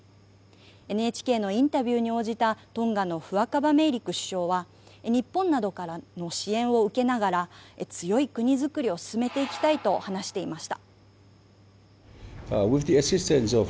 ＮＨＫのインタビューに応じたトンガのフアカバメイリク首相は日本などからの支援を受けながら強い国づくりを進めていきたいと話していました。